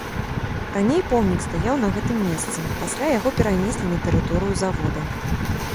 Раней помнік стаяў на гэтым месцы, пасля яго перанеслі на тэрыторыю завода.